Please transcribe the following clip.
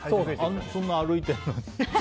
そんな歩いてるのに。